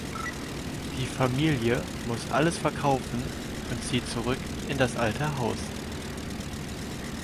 Die Familie muss alles verkaufen und zieht zurück in das alte Haus.